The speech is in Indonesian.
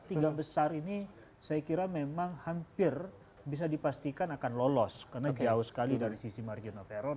tiga besar ini saya kira memang hampir bisa dipastikan akan lolos karena jauh sekali dari sisi margin of error